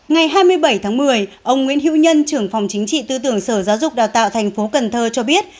ngày hai mươi bảy tháng một mươi ông nguyễn hữu nhân trưởng phòng chính trị tư tưởng sở giáo dục đào tạo tp hcm cho biết